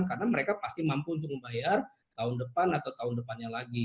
karena mereka pasti mampu untuk membayar tahun depan atau tahun depannya lagi